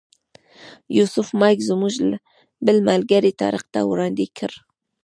یوسف مایک زموږ بل ملګري طارق ته وړاندې کړ.